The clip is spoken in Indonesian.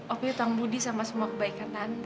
opi utang budi sama semua kebaikan tante